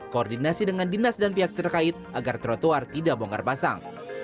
koordinasi dengan dinas dan pihak terkait agar trotoar tidak bongkar pasang